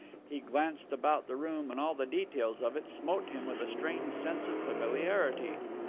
He glanced about the room, and all the details of it smote him with a strange sense of familiarity.